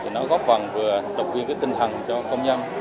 nó góp phần vừa tập viên tinh thần cho công nhân